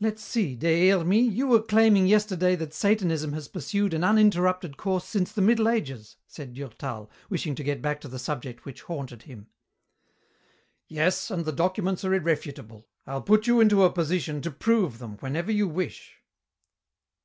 "Let's see, Des Hermies, you were claiming yesterday that Satanism has pursued an uninterrupted course since the Middle Ages," said Durtal, wishing to get back to the subject which haunted him. "Yes, and the documents are irrefutable. I'll put you into a position to prove them whenever you wish.